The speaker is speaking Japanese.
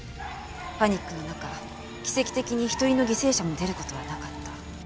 パニックの中奇跡的に一人の犠牲者も出る事はなかった。